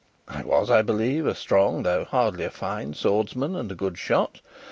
I was, I believe, a strong, though hardly fine swordsman and a good shot.